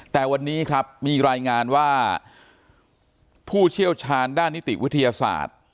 แต่วันนี้ครับมีรายงานว่าผู้เชี่ยวชาญด้านนิติวิทยาศาสตร์